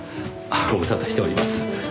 ご無沙汰しております。